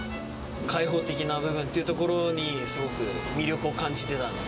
開放的な部分というところに、すごく魅力を感じてたんで。